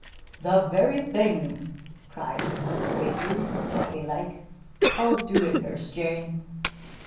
"The very thing!" cried Uncle Wiggily, jolly like. "I'll do it, Nurse Jane."